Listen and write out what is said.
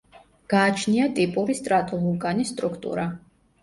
გააჩნია ტიპური სტრატოვულკანის სტრუქტურა.